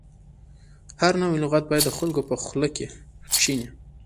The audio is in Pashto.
هر نوی لغت باید د خلکو په خوله کې کښیني.